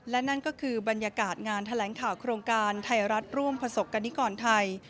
และนั่นก็คือบรรยากาศงานแถลงข่าวโครงการไทยรัฐร่วมประสบกรณิกรไทย